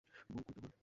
বউ কই তোমার?